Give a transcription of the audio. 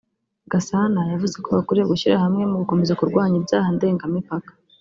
Gasana yavuze ko bakwiriye gushyirahamwe mu gukomeza kurwanya ibyaha ndengamipaka